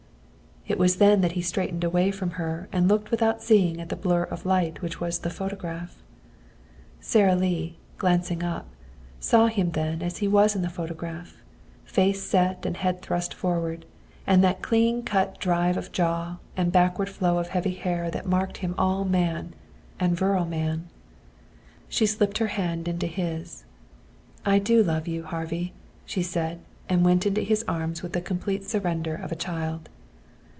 It was then that he straightened away from her and looked without seeing at the blur of light which was the phonograph. Sara Lee, glancing up, saw him then as he was in the photograph, face set and head thrust forward, and that clean cut drive of jaw and backward flow of heavy hair that marked him all man, and virile man. She slipped her hand into his. "I do love you, Harvey," she said, and went into his arms with the complete surrender of a child.